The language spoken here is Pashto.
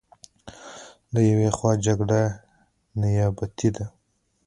که له یوې خوا جګړه نیابتي ده.